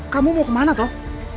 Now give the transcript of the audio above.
kamu mau kemana toh